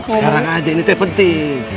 sekarang aja ini teh penting